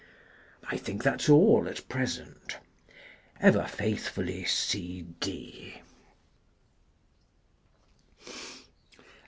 I think that's all at present, Ever faithfully, CD.